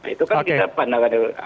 itu kan kita pandangkan